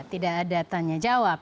tidak ada tanya jawab